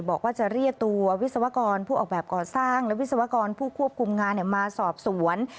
บอกว่าจะเรียกตัววิศวกรผู้ออกแบบก่อสร้างและวิศวกรผู้ควบคุมงานมาสอบสวน